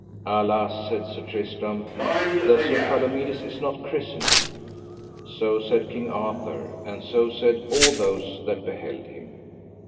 Alas, said Sir Tristram, that Sir Palomides is not christened. So said King Arthur, and so said all those that beheld him.